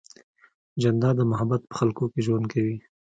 جانداد د محبت په خلقو کې ژوند کوي.